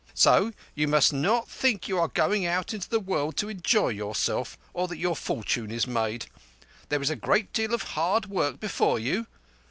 So you must not think you are going out into the world to enjoy yourself, or that your fortune is made. There is a great deal of hard work before you.